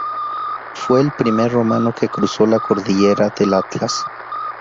Fue el primer romano que cruzó la cordillera del Atlas.